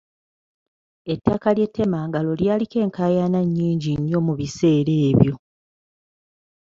Ettaka ly'e Temangalo lyaliko enkaayana nnyingi nnyo mu biseera ebyo.